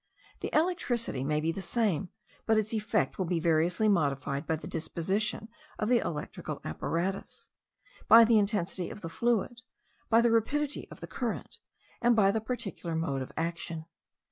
The electricity may be the same; but its effects will be variously modified by the disposition of the electrical apparatus, by the intensity of the fluid, by the rapidity of the current, and by the particular mode of action.